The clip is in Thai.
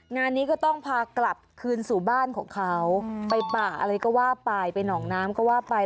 งานนี้ก็ต้องพากลับคืนสู่บ้านของเขาไปป่าอะไรก็ว่าไปไปหนองน้ำก็ว่าไป